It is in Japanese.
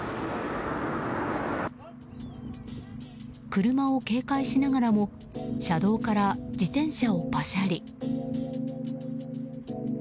車を警戒しながらも車道から、自転車をパシャリ。